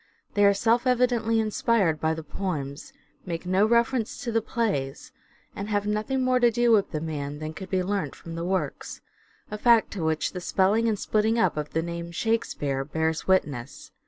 They are self evidently inspired by the poems, make no reference to the plays, and have nothing more to do with the man than could be learnt from the works : a fact to which the spelling and splitting up of the name " Shake speare " bears witness.